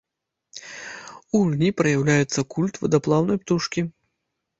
У гульні праяўляецца культ вадаплаўнай птушкі.